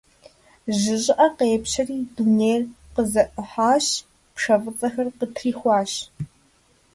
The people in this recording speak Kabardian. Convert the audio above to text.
Жьы щӀыӀэ къепщэри, дунейр къызэӀыхьащ, пшэ фӀыцӀэхэр къытрихуащ.